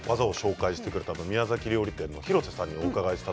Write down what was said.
宮崎料理店の廣瀬さんに伺いました。